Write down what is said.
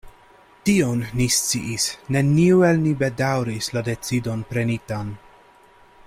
Tion ni sciis: neniu el ni bedaŭris la decidon prenitan.